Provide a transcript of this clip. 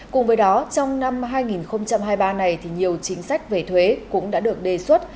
cùng với đó trong năm hai nghìn hai mươi ba này thì nhiều chính sách về thuế cũng đã được đề xuất